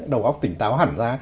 đầu óc tỉnh táo hẳn ra